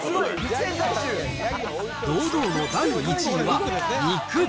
堂々の第１位は肉。